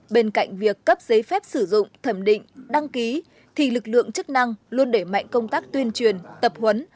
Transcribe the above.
bên cạnh việc cấp giấy phép sử dụng thẩm định đăng ký thì lực lượng chức năng luôn để mạnh công tác tuyên truyền tập huấn